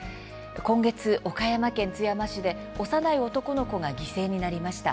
今月、岡山県津山市で幼い男の子が犠牲になりました。